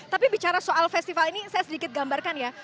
tapi bicara soal festival ini saya sedikit gambarkan ya